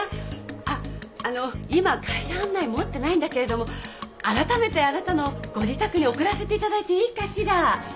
あっあの今会社案内持ってないんだけれども改めてあなたのご自宅に送らせていただいていいかしら？